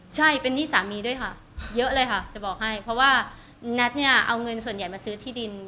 ใช่เป็นหนี้สามีด้วยค่ะเยอะเลยค่ะจะบอกให้เพราะว่าแน็ตเนี่ยเอาเงินส่วนใหญ่มาซื้อที่ดิน